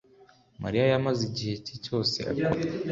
Mariya yamaze igihe cye cyose akora